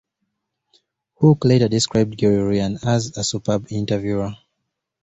Hook later described Gerry Ryan as "a superb interviewer".